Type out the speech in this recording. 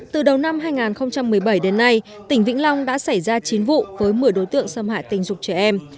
từ đầu năm hai nghìn một mươi bảy đến nay tỉnh vĩnh long đã xảy ra chín vụ với một mươi đối tượng xâm hại tình dục trẻ em